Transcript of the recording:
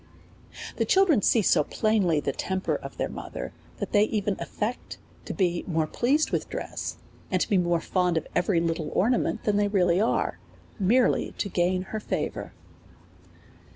The children see so plainly the temper of their mo ther, that they even atfect to be more pleased with dress, and to be more fond of every little ornament, than they really are, merely to gain her favour.